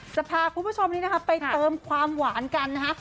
จะพาคุณผู้ชมนี้นะคะไปเติมความหวานกันนะคะ